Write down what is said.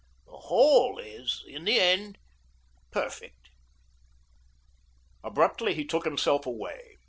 The whole is, in the end, perfect." Abruptly he took himself away.